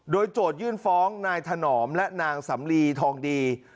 โดยโจทยื่นฟ้องนายถนอมและนางสำลีทองดี